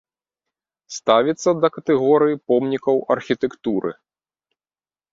Ставіцца да катэгорыі помнікаў архітэктуры.